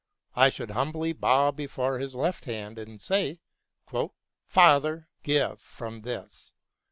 I should humbly bow before His left hand and say, " Father, give from this.